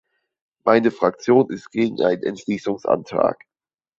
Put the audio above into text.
Meine Fraktion ist gegen einen Entschließungsantrag.